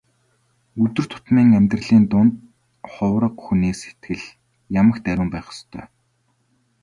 Өдөр тутмын амьдралын дунд хувраг хүний сэтгэл ямагт ариун байх ёстой.